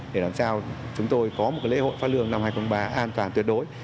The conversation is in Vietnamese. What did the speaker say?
để làm sao chúng tôi có một lễ hội phát lương năm hai nghìn ba an toàn tuyệt đối